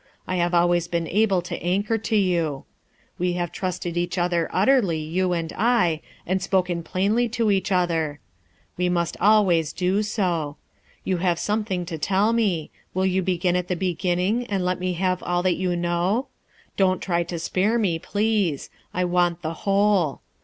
I have al ways been able to anchor to you. Wc have trusted each other utterly, you and I, and spoken plainly to each other; wc must always do so. You have something to tell me. Will you begin at the beginning and let me have all that you know? Don't try to spare me, please; I want the whole.